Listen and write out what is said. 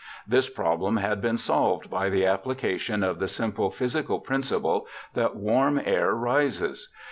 This problem had been solved by the application of the simple physical principle that warm air rises.